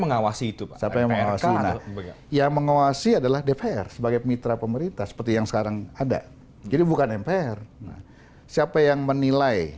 mengawasi itu yang menguasai adalah dpr sebagai mitra pemerintah seperti yang sekarang ada jadi